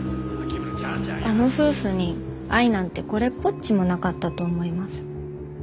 あの夫婦に愛なんてこれっぽっちもなかったと思います。